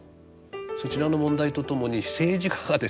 そちらの問題と共に政治家がですね